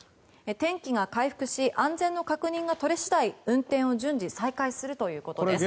天気が回復し安全の確認が取れ次第運転を順次、再開するということです。